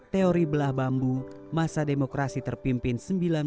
teori belah bambu masa demokrasi terpimpin seribu sembilan ratus sembilan puluh